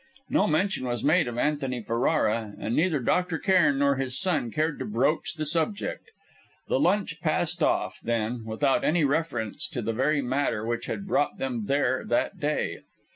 No mention was made of Antony Ferrara, and neither Dr. Cairn nor his son cared to broach the subject. The lunch passed off, then, without any reference to the very matter which had brought them there that day.